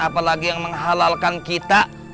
apa lagi yang menghalalkan kita